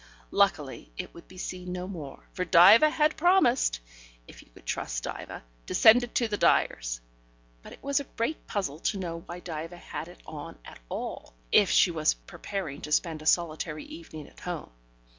Luckily, it would be seen no more, for Diva had promised if you could trust Diva to send it to the dyer's; but it was a great puzzle to know why Diva had it on at all, if she was preparing to spend a solitary evening at home.